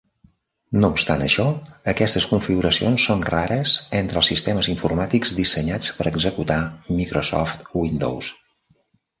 No obstant això, aquestes configuracions són rares entre els sistemes informàtics dissenyats per executar Microsoft Windows.